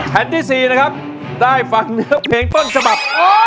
แผ่นที่๔นะครับได้ฟังเนื้อเพลงต้นฉบับ